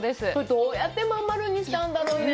どうやって真ん丸にしたんだろうね。